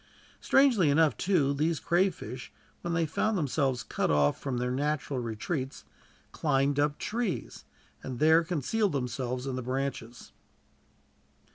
Strangely enough, too, these crayfish, when they found themselves cut off from their natural retreats, climbed up trees, and there concealed themselves in the branches.